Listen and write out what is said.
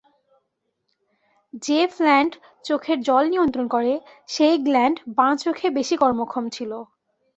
যে-ফ্ল্যাণ্ড চোখের জল নিয়ন্ত্রণ করে, সেই গ্ল্যাণ্ড বা চোখে বেশি কর্মক্ষম ছিল।